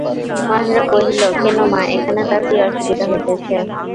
মহেন্দ্র কহিল, কেন মা, এখানে তাঁর কি অসুবিধা হইতেছে।